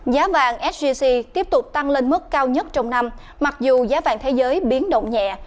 giá vàng sgc tiếp tục tăng lên mức cao nhất trong năm mặc dù giá vàng thế giới biến động nhẹ